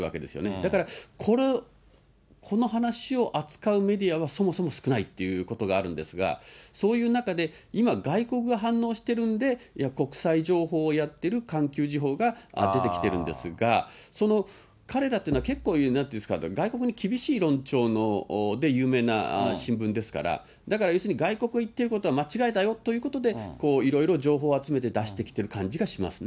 だから、この話を扱うメディアはそもそも少ないっていうことがあるんですが、そういう中で、今、外国が反応してるんで、国際情報をやってる環球時報が出てきてるんですが、その彼らというのは結構、なんていうんですか、外国に厳しい論調で有名な新聞ですから、だから要するに外国の言ってることは間違いだよということで、いろいろ情報を集めて出してきてる感じがしますね。